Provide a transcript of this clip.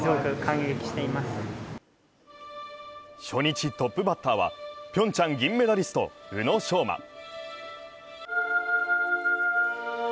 初日、トップバッターはピョンチャン銀メダリスト、宇野昌磨。